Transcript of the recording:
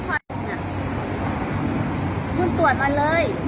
ว่าการเขามาเลย